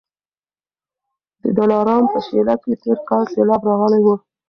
د دلارام په شېله کي تېر کال سېلاب راغلی و